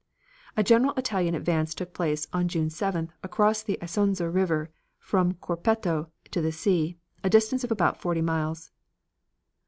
A general Italian advance took place on June 7th across the Isonzo River from Caporetto to the sea, a distance of about forty miles.